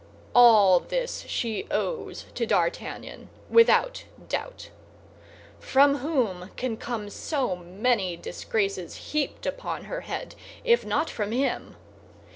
All this she owes to D'Artagnan, without doubt. From whom can come so many disgraces heaped upon her head, if not from him?